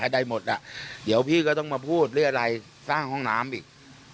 ได้หมดอ่ะเดี๋ยวพี่ก็ต้องมาพูดหรืออะไรสร้างห้องน้ำอีก